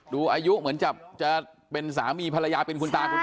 ดูอายุเหมือนจะเป็นสามีภรรยาเป็นคุณตาคุณยาย